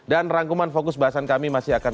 dan rangkuman fokus bahasan kami masih akan